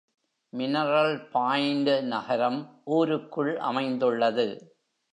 Mineral Point நகரம் ஊருக்குள் அமைந்துள்ளது.